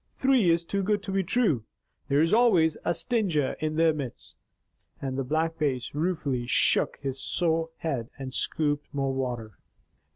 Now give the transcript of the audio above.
Three is too good to be true! There is always a stinger in their midst." And the Black Bass ruefully shook his sore head and scooped more water.